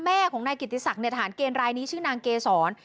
แม่ของนายกิติศักดิ์ฐานเกณฑ์รายนี้ชื่อนางเกษร